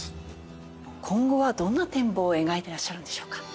今後はどんな展望を描いてらっしゃるんでしょうか？